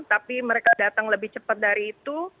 tapi mereka datang lebih cepat dari itu